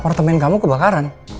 apartemen kamu kebakaran